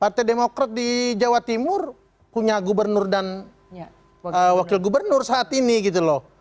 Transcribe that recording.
partai demokrat di jawa timur punya gubernur dan wakil gubernur saat ini gitu loh